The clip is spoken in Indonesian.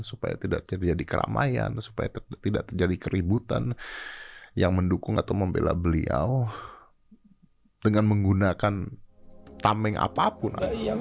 supaya tidak terjadi keramaian supaya tidak terjadi keributan yang mendukung atau membela beliau dengan menggunakan tameng apapun